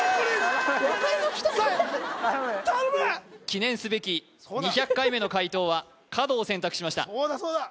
記念すべき２００回目の解答は角を選択しましたそうだ